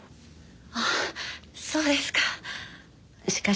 あっそうですか。